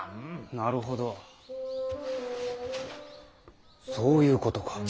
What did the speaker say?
なるほどそういうことか。